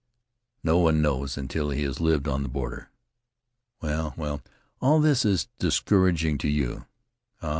"No one knows until he has lived on the border. Well, well, all this is discouraging to you. Ah!